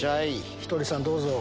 ひとりさんどうぞ。